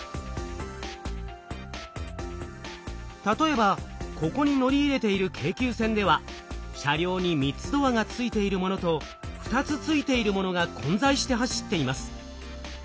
例えばここに乗り入れている京急線では車両に３つドアがついているものと２つついているものが混在して走っています。